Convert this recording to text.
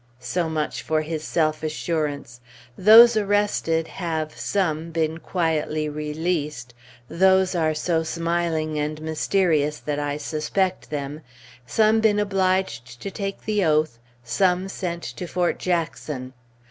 So much for his self assurance! Those arrested have, some, been quietly released (those are so smiling and mysterious that I suspect them), some been obliged to take the oath, some sent to Fort Jackson.